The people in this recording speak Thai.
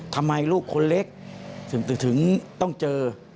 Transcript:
ทำไมลูกคนเล็กถึงต้องเจอ